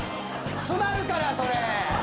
詰まるからそれ。